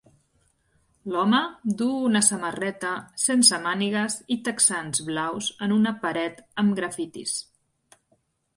L'home duu una samarreta sense mànigues i texans blaus en una paret amb grafits.